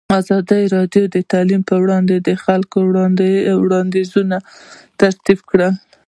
ازادي راډیو د تعلیم په اړه د خلکو وړاندیزونه ترتیب کړي.